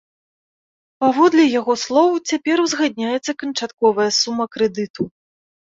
Паводле яго слоў, цяпер узгадняецца канчатковая сума крэдыту.